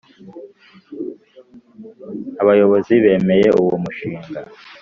abayobozi bemeye uwo mushinga